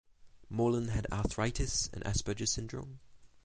Morlan had arthritis and Asperger syndrome.